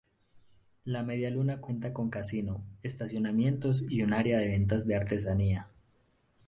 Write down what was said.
La medialuna cuenta con casino, estacionamientos y un área de ventas de artesanía.